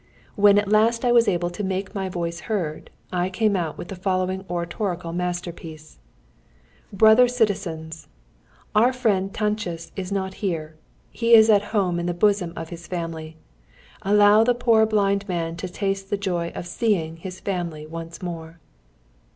When at last I was able to make my voice heard, I came out with the following oratorical masterpiece: "Brother citizens! our friend Táncsis is not here. He is at home in the bosom of his family. Allow the poor blind man to taste the joy of seeing his family once more!"